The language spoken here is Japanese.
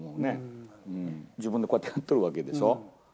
自分でこうやってるわけでしょ。